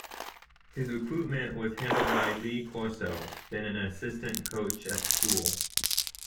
His recruitment was handled by Lee Corso, then an assistant coach at the school.